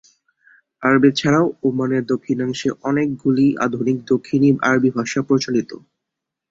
আরবি ছাড়াও ওমানের দক্ষিণাংশে অনেকগুলি আধুনিক দক্ষিণী আরবি ভাষা প্রচলিত।